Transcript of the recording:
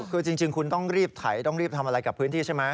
คือจริงคุณต้องรีบไถต้องรีบทำอะไรกับพื้นที่ใช่ไหม